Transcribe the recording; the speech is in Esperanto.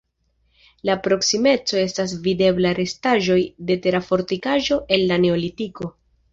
En la proksimeco estas videbla restaĵoj de tera fortikaĵo el la neolitiko.